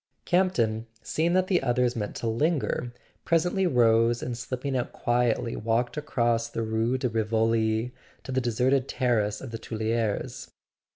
Campton, seeing that the others meant to lin¬ ger, presently rose and slipping out quietly walked across the Rue de Rivoli to the deserted terrace of the Tuileries.